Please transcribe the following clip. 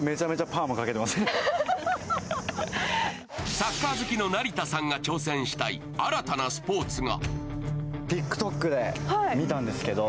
サッカー好きの成田さんが挑戦したい新たなスポーツが。